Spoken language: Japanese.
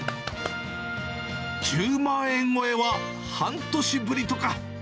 １０万円超えは半年ぶりとか。